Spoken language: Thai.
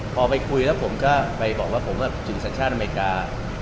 พอไปคุยแล้วผมก็ไปบอกว่าผมถึงสัญชาติอเมริกา